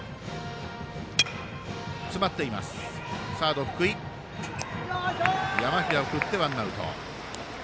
サード、福井が山平へ送ってワンアウト。